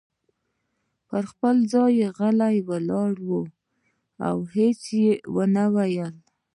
پر خپل ځای غلی ولاړ و او هیڅ یې نه ویل.